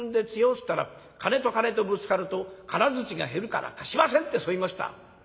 つったら『金と金とぶつかると金づちが減るから貸しません』ってそう言いました」。